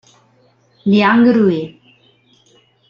Liang Rui